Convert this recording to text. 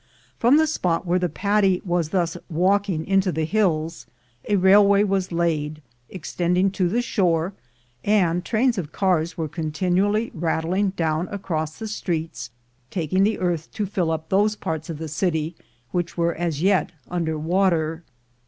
From the spot where the Paddy was thus walking into the hills a railway was laid, extending to the shore, and trains of cars were continually rattling down across the streets, taking the earth to LIFE AT HIGH SPEED 87 fill up those parts of the city which were as yet under water.